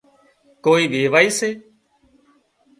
ڪوئي ويوائي سي